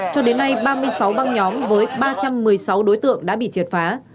cho đến nay ba mươi sáu băng nhóm với ba trăm một mươi sáu đối tượng đã bị triệt phá